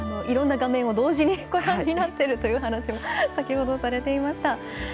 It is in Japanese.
いろんな画面を同時にご覧になってるという話も先ほどされていました。